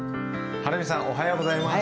はるみさんおはようございます。